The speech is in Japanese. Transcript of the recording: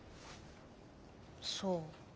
そう。